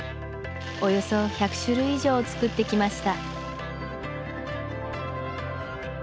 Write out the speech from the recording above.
およそ１００種類以上作ってきました